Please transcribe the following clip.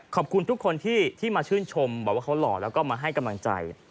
ขอบคุณทุกคนที่มาชื่นชมบอกว่าเขาหล่อแล้วก็มาให้กำลังใจ